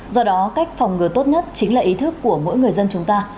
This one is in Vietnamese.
do đó cách phòng ngừa tốt nhất chính là ý thức của mỗi người dân chúng ta